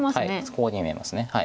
コウに見えます。